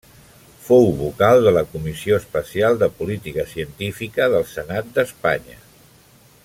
Fou vocal de la Comissió Especial de Política Científica del Senat d'Espanya.